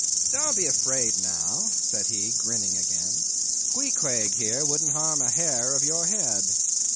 "Don't be afraid now," said he, grinning again, "Queequeg here wouldn't harm a hair of your head."